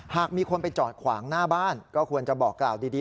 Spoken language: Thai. หากมีคนไปจอดขวางหน้าบ้านก็ควรจะบอกกล่าวดี